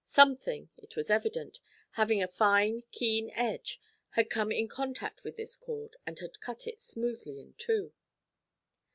something, it was evident, having a fine keen edge, had come in contact with this cord, and had cut it smoothly in two.